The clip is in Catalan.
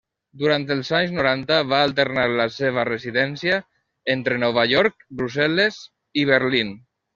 Durant els anys noranta, va alternar la seva residència entre Nova York, Brussel·les i Berlín.